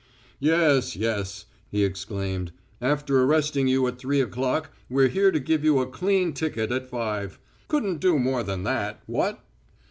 "Yes yes," he exclaimed. "After arresting you at three o'clock we're here to give you a clean ticket at five. Couldn't do more than that what?